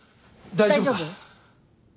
大丈夫か？